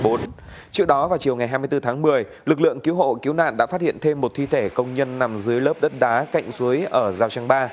trước đó vào chiều ngày hai mươi bốn tháng một mươi lực lượng cứu hộ cứu nạn đã phát hiện thêm một thi thể công nhân nằm dưới lớp đất đá cạnh suối ở giao trang ba